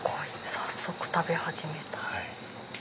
早速食べ始めた。